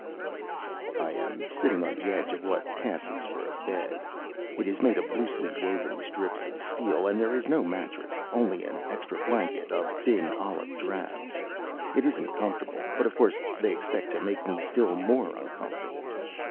I am sitting on the edge of what passes for a bed. It is made of loosely woven strips of steel, and there is no mattress, only an extra blanket of thin olive drab. It isn't comfortable; but of course they expect to make me still more uncomfortable.